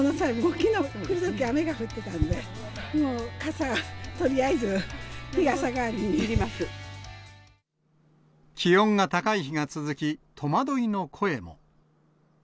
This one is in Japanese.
きのう、来るとき雨が降っていたので、もう傘、とりあえず、気温が高い日が続き、戸惑いの声も。